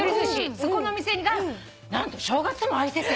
そこのお店が何と正月も開いてて。